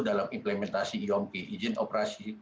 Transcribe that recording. dalam implementasi iomp ijin operasi